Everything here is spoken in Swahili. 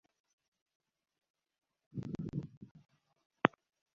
na miji mingi walipokaa wahamiaji kutoka Italia waliotumia lugha ya Kilatini